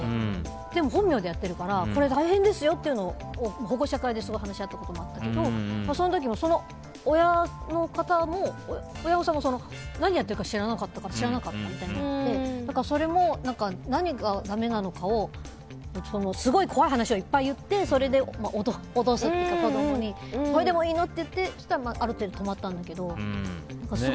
でも本名でやってるからこれ大変ですよっていうのを保護者会で話し合ったこともあったけどその時も、その親御さんも何やってるか知らなかったみたいになっててそれも何がだめなのかをすごい怖い話をいっぱい言ってそれで脅すというか、子供にこれでもいいのって言ったらある程度止まったんだけど。